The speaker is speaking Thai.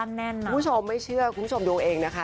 คุณผู้ชมไม่เชื่อคุณผู้ชมดูเองนะคะ